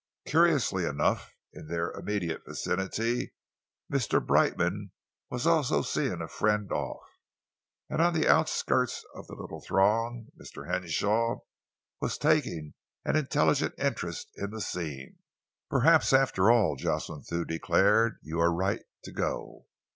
Curiously enough, in their immediate vicinity Mr. Brightman was also seeing a friend off, and on the outskirts of the little throng Mr. Henshaw was taking an intelligent interest in the scene. "Perhaps, after all," Jocelyn Thew declared, "you are right to go.